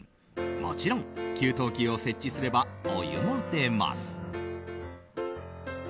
もちろん給湯器を設置すればお湯も出ます。